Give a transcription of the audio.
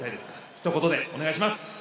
ひと言でお願いします！